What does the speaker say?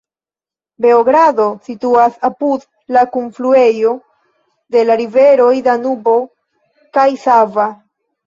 Beogrado situas apud la kunfluejo de la riveroj Danubo kaj Sava.